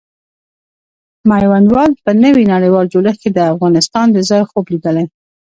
میوندوال په نوي نړیوال جوړښت کې د افغانستان د ځای خوب لیدلی.